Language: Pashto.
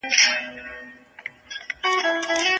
په حضوري ټولګیو کي پوښتني ژر ځوابیږي که په مجازي درسونو کي؟